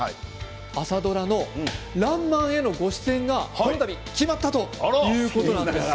朝ドラの「らんまん」のご出演がこの度、決まったということなんです。